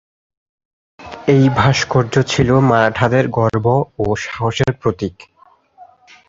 এই ভাস্কর্য ছিল মারাঠাদের গর্ব ও সাহসের প্রতীক।